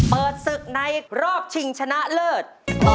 เปิดศึกในรอบชิงชนะเลิศ